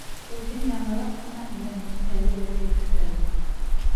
Үҙем яңыраҡ ҡына өйләндем, әле бәпәй көтәбеҙ.